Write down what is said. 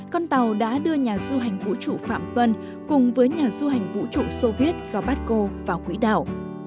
con tàu đã đưa nhà du hành vũ trụ phạm tuân cùng với nhà du hành vũ trụ soviet gorbasko vào quỹ đảo